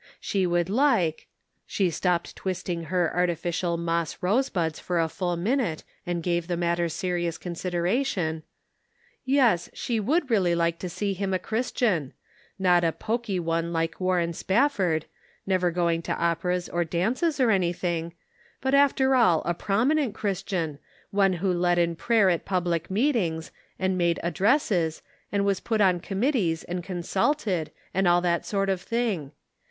She would like (she stopped twisting her artificial moss rose buds for a full minute, and gave the matter serious consideration) — yes, 214 The Pocket Measure. she would really like to see him a Christian ; not a pokey one like Warren Spafford, never going to operas or dances or anything, but after all a prominent Christian, one who led in prayer at public meetings, and made ad dresses, and was put on committees and con sulted, and all that sort of thing.